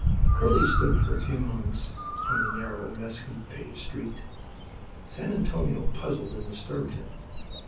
Curly stood for a few moments in the narrow, mesquite paved street. San Antonio puzzled and disturbed him.